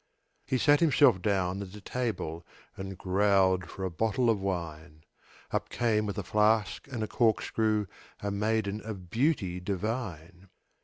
He sat himself down at a table, And growled for a bottle of wine; Up came with a flask and a corkscrew A maiden of beauty divine.